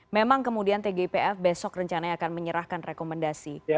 memang kemudian tgpf besok rencananya akan menyerahkan rekomendasi